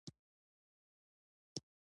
کویل مقناطیسي ځواک زیاتوي.